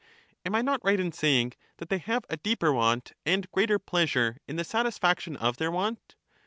Am I not right in saying that they have a deeper want and greater pleasure in the satisfaction of their want?